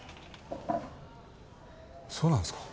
そうなんですか？